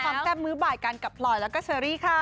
มาเติมคอมเต็มมือบ่ายการกลับปล่อยแล้วก็เชอรี่ค่ะ